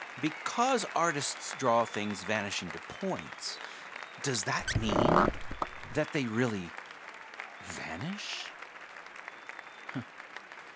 Because artists draw things vanishing to points, does that mean that they really vanish?"